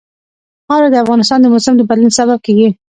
خاوره د افغانستان د موسم د بدلون سبب کېږي.